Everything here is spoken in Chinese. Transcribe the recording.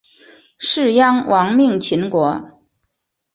士鞅亡命秦国。